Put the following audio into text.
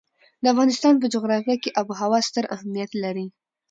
د افغانستان په جغرافیه کې آب وهوا ستر اهمیت لري.